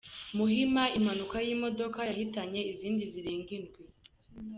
Muhima Impanuka y’imodoka yahitanye izindi zirenga indwi